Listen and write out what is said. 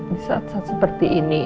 di saat saat seperti ini